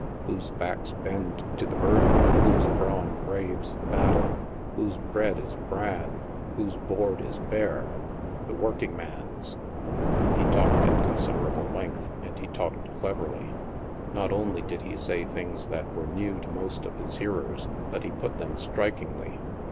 Whose backs bend to the burden, whose brawn braves the battle, whose bread is bran, whose board is bare? The working man's." He talked at considerable length, and he talked cleverly. Not only did he say things that were new to most of his hearers, but he put them strikingly.